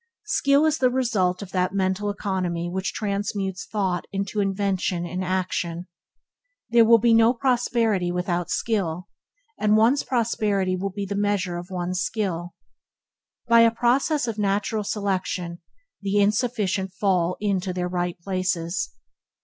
Skill is the result of that mental economy which transmutes thought into invention and action. There will be no prosperity without skill, and one's prosperity will be in the measure of one's skill. By a process of natural selection, the inefficient fall in to their right places.